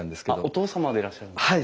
お父様でいらっしゃるんですか？